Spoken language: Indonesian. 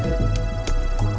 terima kasih pak chandra